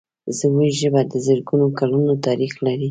زموږ ژبه د زرګونو کلونو تاریخ لري.